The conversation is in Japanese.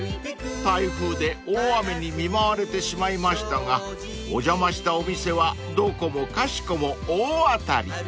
［台風で大雨に見舞われてしまいましたがお邪魔したお店はどこもかしこも大当たり］